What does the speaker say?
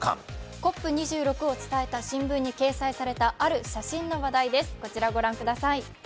ＣＯＰ２６を伝えた新聞に掲載されたある写真の話題です。